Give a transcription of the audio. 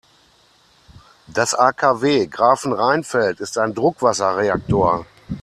Das AKW Grafenrheinfeld ist ein Druckwasserreaktor.